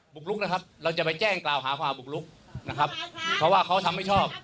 บุกลุกนะครับเราจะไปแจ้งกล่าวหาความบุกลุกนะครับเพราะว่าเขาทำไม่ชอบ